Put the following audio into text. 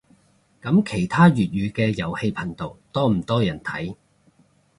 噉其他粵語嘅遊戲頻道多唔多人睇